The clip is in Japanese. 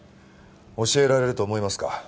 教えられると思いますか？